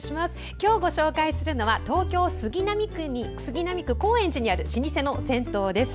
今日ご紹介するのは東京・杉並区高円寺にある老舗の銭湯です。